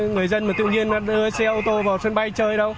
người dân mà tự nhiên nó đưa xe ô tô vào sân bay chơi đâu